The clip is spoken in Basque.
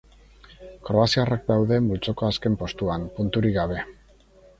Kroaziarrak daude multzoko azken postuan, punturik gabe.